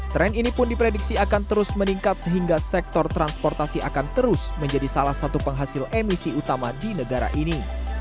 tren ini pun diprediksi akan terus meningkat sehingga sektor transportasi akan terus menjadi salah satu penghasil emisi utama di negara ini